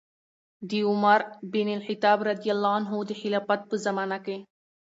د عمر بن الخطاب رضي الله عنه د خلافت په زمانه کې